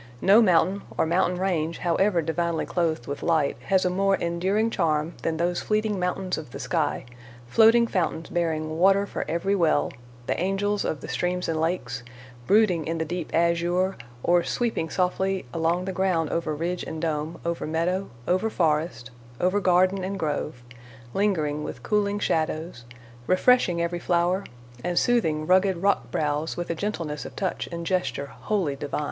No mountain or mountain range, however divinely clothed with light, has a more enduring charm than those fleeting mountains of the sky—floating fountains bearing water for every well, the angels of the streams and lakes; brooding in the deep azure, or sweeping softly along the ground over ridge and dome, over meadow, over forest, over garden and grove; lingering with cooling shadows, refreshing every flower, and soothing rugged rock brows with a gentleness of touch and gesture wholly divine.